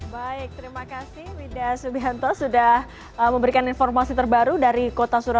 baik terima kasih wida subianto sudah memberikan informasi terbaru dari kota surabaya